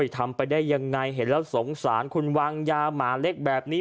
ทำไปได้ยังไงเห็นแล้วสงสารคุณวางยาหมาเล็กแบบนี้